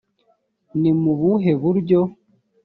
ni mu buhe buryo